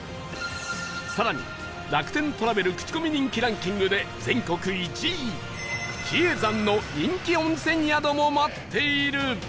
さらに楽天トラベルクチコミ人気ランキングで全国１位比叡山の人気温泉宿も待っている